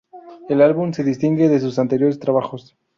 El álbum se distingue de sus anteriores trabajos.